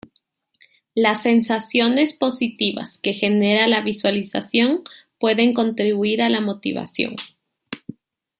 Las sensaciones positivas que genera la visualización pueden contribuir a la motivación.